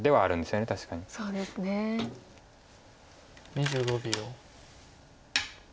２５秒。